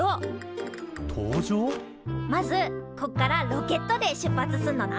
まずこっからロケットで出発すんのな。